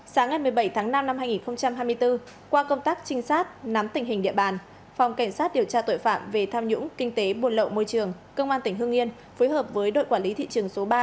sáng ngày một mươi bảy tháng năm năm hai nghìn hai mươi bốn qua công tác trinh sát nắm tình hình địa bàn phòng cảnh sát điều tra tội phạm về tham nhũng kinh tế buồn lậu môi trường công an tỉnh hương yên phối hợp với đội quản lý thị trường số ba